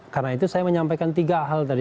karena itu saya menyampaikan tiga hal tadi